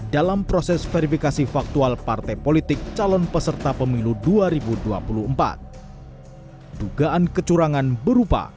dalam proses verifikasi faktual partai politik calon peserta pemilu dua ribu dua puluh empat dugaan kecurangan berupa